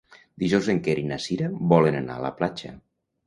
Dijous en Quer i na Cira volen anar a la platja.